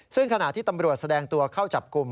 ซึ่งขณะที่ตำรวจแสดงตัวเข้าจับกลุ่ม